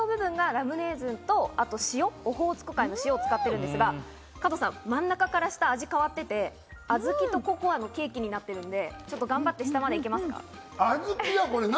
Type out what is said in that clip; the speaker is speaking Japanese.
山頂部分がラムレーズンとオホーツク海の塩を使ってるんですが、真ん中から下、味が変わっていて、小豆とココアのケーキになっているので。